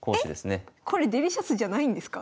えっ⁉これデリシャスじゃないんですか？